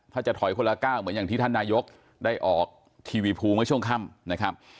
ถ้าจะถอยคนละ๙เหมือนที่ท่านนายกได้ออกทีวีภูมิช่วงค่ำนะครับ